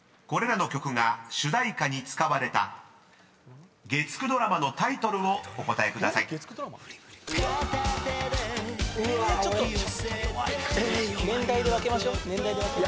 ［これらの曲が主題歌に使われた月９ドラマのタイトルをお答えください］